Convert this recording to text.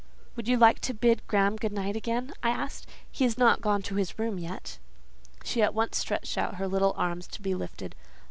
"Would you like to bid Graham good night again?" I asked. "He is not gone to his room yet." She at once stretched out her little arms to be lifted.